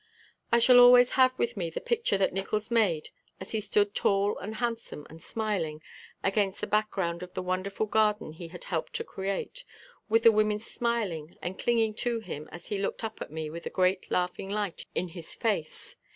I shall always have with me the picture that Nickols made as he stood tall and handsome and smiling against the background of the wonderful garden he had helped to create, with the women smiling and clinging to him as he looked up at me with a great laughing light in his face.